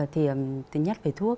thứ nhất về thuốc